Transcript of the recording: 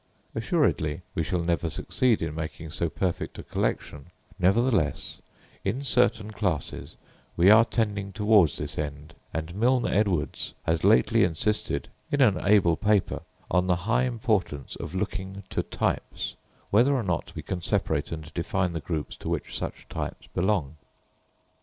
Assuredly we shall never succeed in making so perfect a collection: nevertheless, in certain classes, we are tending toward this end; and Milne Edwards has lately insisted, in an able paper, on the high importance of looking to types, whether or not we can separate and define the groups to which such types belong.